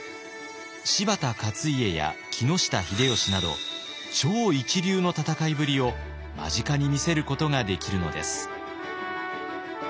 柴田勝家や木下秀吉など超一流の戦いぶりを間近に見せることができるのです。